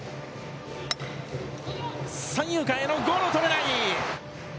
三遊間へのゴロ、捕れない。